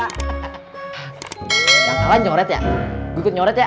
yang kalah nyoret ya gue ikut nyoret ya